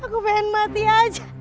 aku pengen mati aja